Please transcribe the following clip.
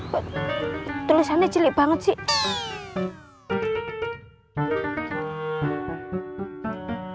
kok tulisannya jelek banget sih